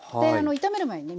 炒める前にね